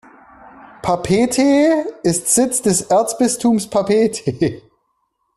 Papeete ist Sitz des Erzbistums Papeete.